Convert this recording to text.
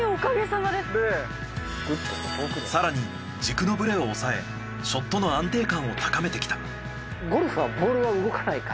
更に軸のブレを抑えショットの安定感を高めてきた。